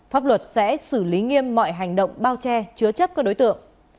pháp luật sẽ xử lý nghiêm mọi hành động bao che chứa chấp các đối tượng